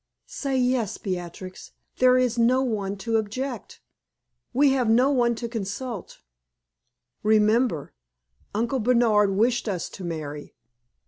"Say yes, Beatrix. There is no one to object. We have no one to consult. Remember, Uncle Bernard wished us to marry.